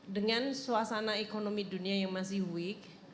dengan suasana ekonomi dunia yang masih week